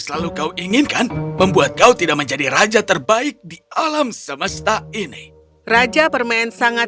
selalu kau inginkan membuat kau tidak menjadi raja terbaik di alam semesta ini raja permen sangat